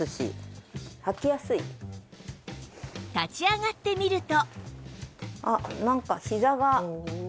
立ち上がってみると